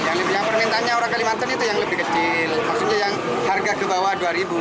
yang permintaannya orang kalimantan itu yang lebih kecil maksudnya yang harga ke bawah rp dua